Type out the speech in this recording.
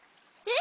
え！